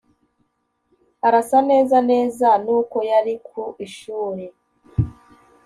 arasa neza neza nuko yari ku ishuri.